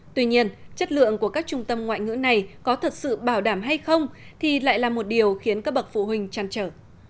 tuy nhiên chất lượng của các trung tâm ngoại ngữ này có thật sự bảo đảm hay không thì lại là một điều khiến các bậc phụ huynh trăn trở